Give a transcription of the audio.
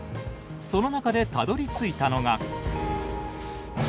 その中でたどりついたのが。